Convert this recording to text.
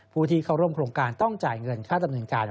ผู้ที่เข้าร่วมโครงการต้องจ่ายเงินค่าดำเนินการ